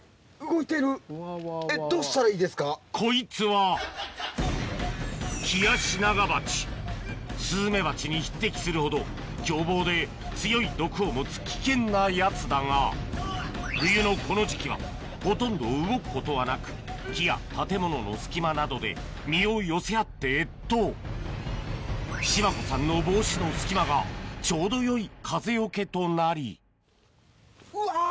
こいつはスズメバチに匹敵するほど凶暴で強い毒を持つ危険なやつだが冬のこの時期はほとんど動くことはなく木や建物の隙間などで身を寄せ合って越冬島子さんの帽子の隙間がちょうどよい風よけとなりうわぁ‼